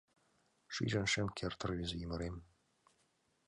Шижын шым керт рвезе ӱмырем